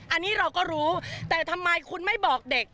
อันนี้เราก็รู้แต่ทำไมคุณไม่บอกเด็ก